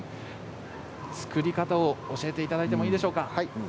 作り方を教えていただいてもいいですか？